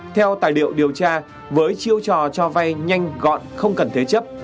theo tài liệu điều tra với chiêu trò cho vay nhanh gọn không cần thế chấp